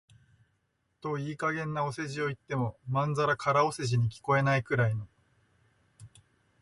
といい加減なお世辞を言っても、まんざら空お世辞に聞こえないくらいの、